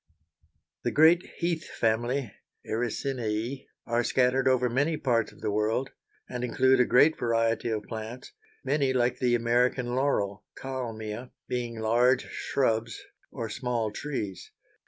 _ The great heath family (Ericineæ) are scattered over many parts of the world, and include a great variety of plants, many like the American laurel (Kalmia) being large shrubs or small trees.